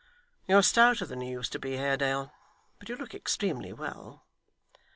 You're stouter than you used to be, Haredale, but you look extremely well.